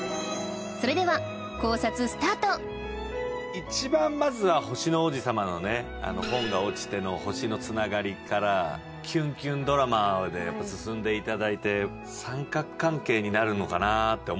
一番まずは『星の王子さま』のね本が落ちての星の繋がりからキュンキュンドラマで進んで頂いて三角関係になるのかなって思ってたんですよ。